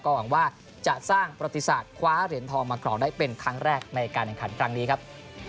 หวังว่าจะสร้างประติศาสตร์คว้าเหรียญทองมากรองได้เป็นครั้งแรกในการแข่งขันครั้งนี้ครับ